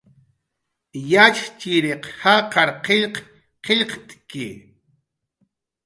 Yatxchiriq jaqar qillq qillqt'ki